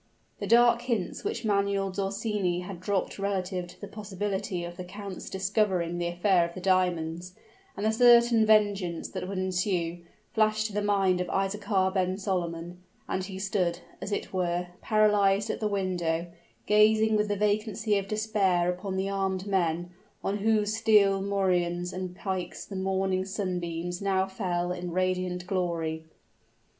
The dark hints which Manuel d'Orsini had dropped relative to the possibility of the count's discovering the affair of the diamonds, and the certain vengeance that would ensue, flashed to the mind of Isaachar ben Solomon; and he stood, as it were, paralyzed at the window, gazing with the vacancy of despair upon the armed men, on whose steel morions and pikes the morning sunbeams now fell in radiant glory.